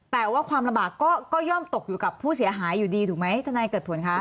แต่ว่าความลำบากก็ย่อมตกอยู่กับผู้เสียหายอยู่ดีถูกไหมทนายเกิดผลคะ